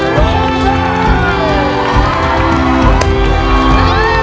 รักษัตริย์